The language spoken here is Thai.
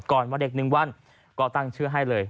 ก่อนวันเด็กหนึ่งวันก็ตั้งชื่อให้เลย